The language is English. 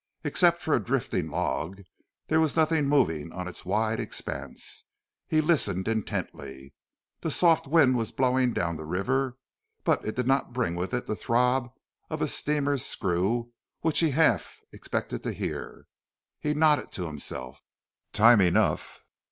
Except for a drifting log there was nothing moving on its wide expanse. He listened intently. The soft wind was blowing down river, but it did not bring with it the throb of a steamer's screw which he half expected to hear. He nodded to himself. "Time enough!"